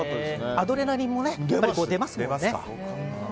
アドレナリンも出ますもんね。